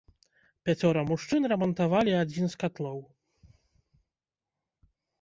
Пяцёра мужчын рамантавалі адзін з катлоў.